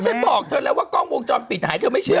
ฉันบอกเธอแล้วว่ากล้องวงจรปิดหายเธอไม่เชื่อ